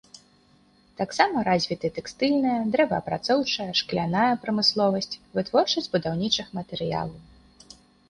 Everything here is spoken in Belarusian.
Таксама развіты тэкстыльная, дрэваапрацоўчая, шкляная прамысловасць, вытворчасць будаўнічых матэрыялаў.